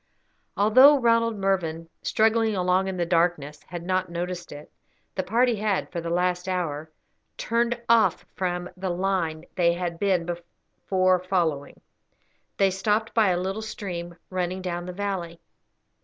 Although Ronald Mervyn, struggling along in the darkness, had not noticed it, the party had for the last hour turned off from the line they had before been following. They stopped by a little stream, running down the valley.